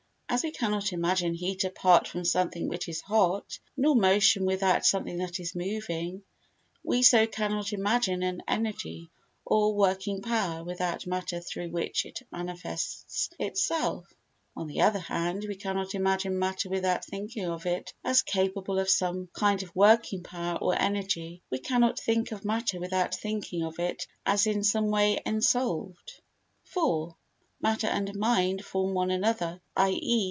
As we cannot imagine heat apart from something which is hot, nor motion without something that is moving, so we cannot imagine an energy, or working power, without matter through which it manifests itself. On the other hand, we cannot imagine matter without thinking of it as capable of some kind of working power or energy—we cannot think of matter without thinking of it as in some way ensouled. iv Matter and mind form one another, i.e.